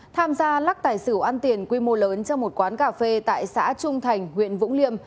tham gia lắc tài xỉu ăn tiền quy mô lớn trong một quán cà phê tại xã trung thành huyện vũng liêm